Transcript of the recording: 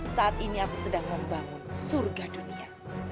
saat ini aku sedang membangun surga dunia